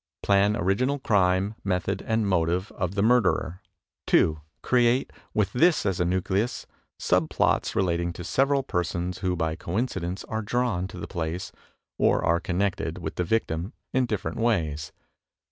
Plan original crime, method, and motive of the murderer. 2. CreatCj with this as a nucleus, sub plots relating to several persons who by coincidence are drawn to the place or are connected with the victim, in dif ferent ways.